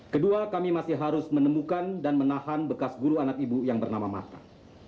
kedua kami masih harus menemukan dan menahan bekas guru anak ibu yang bernama mahta